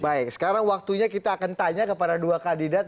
baik sekarang waktunya kita akan tanya kepada dua kandidat